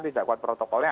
tidak kuat protokolnya